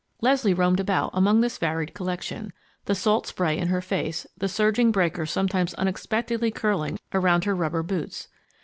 Leslie roamed about among this varied collection, the salt spray in her face, the surging breakers sometimes unexpectedly curling around her rubber boots.